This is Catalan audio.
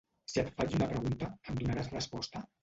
Si et faig una pregunta, em donaràs resposta?